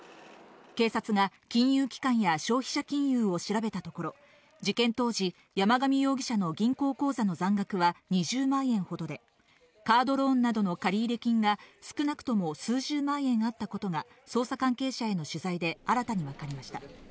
警察が金融機関や消費者金融を調べたところ、事件当時、山上容疑者の銀行口座の残額は２０万円ほどで、カードローンなどの借入金が少なくとも数十万円あったことが、捜査関係者への取材で新たに分かりました。